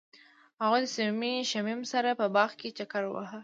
هغوی د صمیمي شمیم سره په باغ کې چکر وواهه.